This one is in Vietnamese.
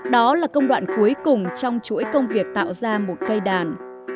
đó là công đoạn cuối cùng trong chuỗi công việc tạo ra một cây đàn